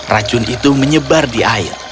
racun itu menyebar di air